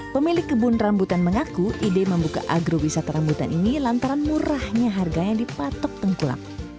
pemilik kebun rambutan mengaku ide membuka agrowisata rambutan ini lantaran murahnya harganya di patok tengkulang